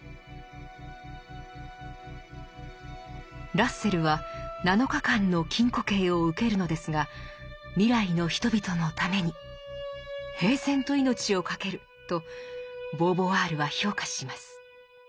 ラッセルは七日間の禁錮刑を受けるのですが未来の人々のために「平然と命をかける」とボーヴォワールは評価します。